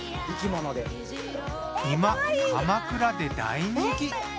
今鎌倉で大人気。